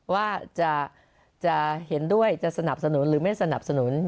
ว่าจะเห็นด้วยจะสนับสนุนหรือไม่สนับสนุน